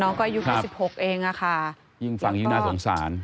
น้องก็อายุ๑๖เองค่ะยิ่งฟังยิ่งน่าสงสาร